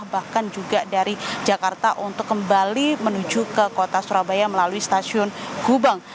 bahkan juga dari jakarta untuk kembali menuju ke kota surabaya melalui stasiun gubang